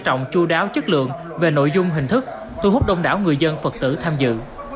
trọng chú đáo chất lượng về nội dung hình thức thu hút đông đảo người dân phật tử tham dự